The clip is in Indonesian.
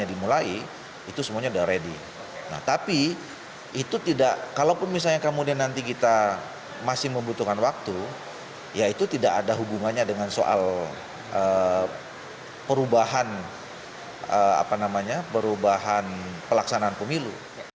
dan pelaksanaan pemilu